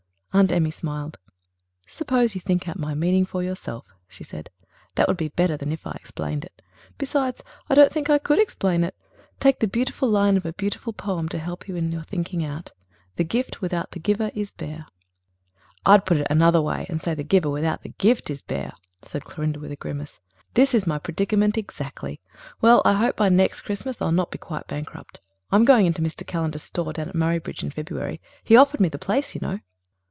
Aunt Emmy smiled. "Suppose you think out my meaning for yourself," she said. "That would be better than if I explained it. Besides, I don't think I could explain it. Take the beautiful line of a beautiful poem to help you in your thinking out: 'The gift without the giver is bare.'" "I'd put it the other way and say, 'The giver without the gift is bare,'" said Clorinda, with a grimace. "That is my predicament exactly. Well, I hope by next Christmas I'll not be quite bankrupt. I'm going into Mr. Callender's store down at Murraybridge in February. He has offered me the place, you know."